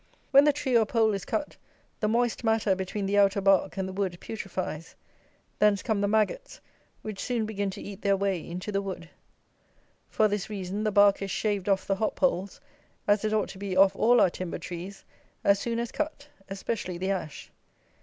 When the tree or pole is cut, the moist matter between the outer bark and the wood putrifies. Thence come the maggots, which soon begin to eat their way into the wood. For this reason the bark is shaved off the hop poles, as it ought to be off all our timber trees, as soon as cut, especially the ash.